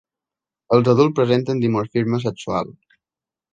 Els adults presenten dimorfisme sexual.